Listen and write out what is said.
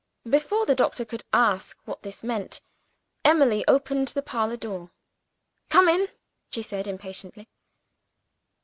Before the doctor could ask what this meant, Emily opened the parlor door. "Come in!" she said, impatiently.